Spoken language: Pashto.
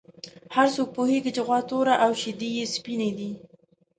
هر څوک پوهېږي چې غوا توره او شیدې یې سپینې دي.